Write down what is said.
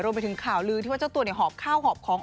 ไปถึงข่าวลือที่ว่าเจ้าตัวหอบข้าวหอบของ